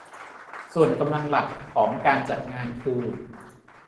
ส่วนกำลังหลักของการจัดงานคือ